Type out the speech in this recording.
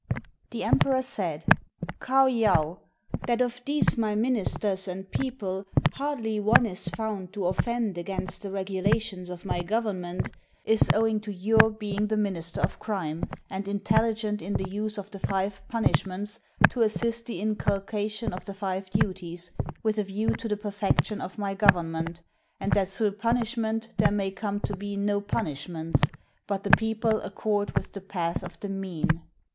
The emperor said, "Kaou yaou, that of these my ministers and people hardly one is found to offend 6 SHUN OF YU against the regulations of my government is owing to your being the Minister of Crime, and intelligent in the use of the five punishments to assist the inculcation of the five duties, with a view to the perfection of my govern ment, and that through punishment there may come to be no punishments, but the people accord with the path of the Mean.